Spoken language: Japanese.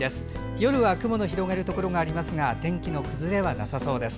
夜は雲の広がるところがありますが天気の崩れはなさそうです。